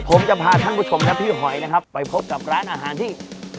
ผมจะพาท่านผู้ชมทั้งพี่หอยไปพบกับร้านอาหารที่